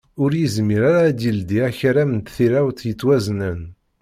Ur yezmir ara ad d-yeldi akaram n tirawt yettwaznen.